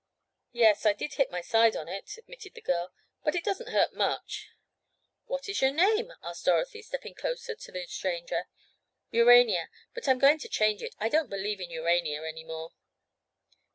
"Yes, I did hit my side on it," admitted the girl, "but it doesn't hurt much." "What is your name?" asked Dorothy, stepping closer to the stranger. "Urania. But I'm going to change it. I don't believe in Urania any more."